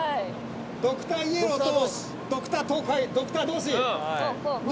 ドクターイエローとドクター東海ドクター同士の並走。